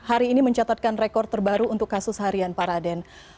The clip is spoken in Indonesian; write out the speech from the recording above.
hari ini mencatatkan rekor terbaru untuk kasus harian pak raden